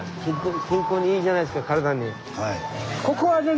健康にいいじゃないですか体に。